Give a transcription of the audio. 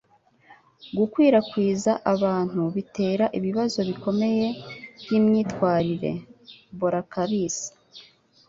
Gukwirakwiza abantu bitera ibibazo bikomeye byimyitwarire. (boracasli)